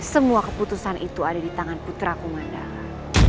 semua keputusan itu ada di tangan putra kumandala